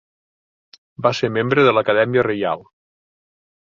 Va ser membre de la Acadèmia Reial.